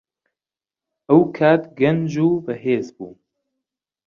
ئەو کات گەنج و بەهێز بووم.